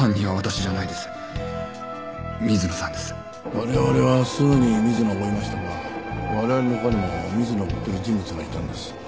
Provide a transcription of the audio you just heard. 我々はすぐに水野を追いましたが我々の他にも水野を追ってる人物がいたんです。